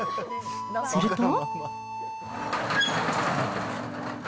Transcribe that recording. すると。